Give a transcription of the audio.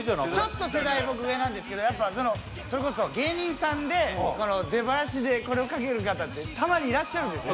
ちょっと世代僕上なんですけどやっぱそのそれこそ芸人さんで出囃子でこれをかける方ってたまにいらっしゃるんですよ